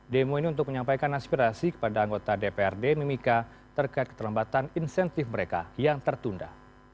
demo ini untuk menyampaikan aspirasi kepada anggota dprd mimika terkait keterlambatan insentif mereka yang tertunda